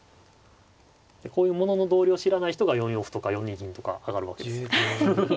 でこういうものの道理を知らない人が４四歩とか４二銀とか上がるわけですよ。